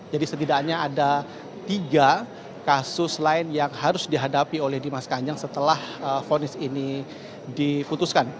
jadi setidaknya ada tiga kasus lain yang harus dihadapi oleh dimas kanjeng setelah vonis ini dibutuhkan